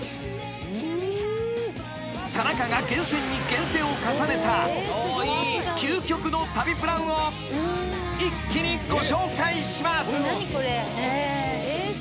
［田中が厳選に厳選を重ねた究極の旅プランを一気にご紹介します］